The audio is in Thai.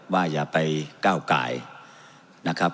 ว่าอย่าไปก้าวกายนะครับ